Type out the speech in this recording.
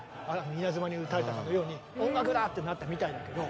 稲妻に打たれたかのように「音楽だ！」ってなったみたいだけど。